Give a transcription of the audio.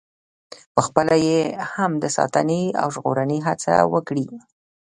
پخپله یې هم د ساتنې او ژغورنې هڅه وکړي.